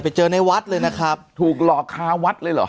เจอในวัดเลยนะครับถูกหลอกคาวัดเลยเหรอ